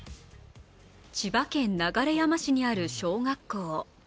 千葉県流山市にある小学校。